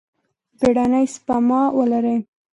بیړنۍ سپما ولرئ.